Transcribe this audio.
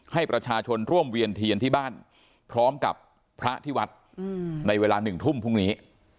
ให้ประชาชนร่วมเวียนเทียนที่บ้านพร้อมกับพระที่วัดในเวลา๑ทุ่มพรุ่งนี้